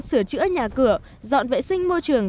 sửa chữa nhà cửa dọn vệ sinh môi trường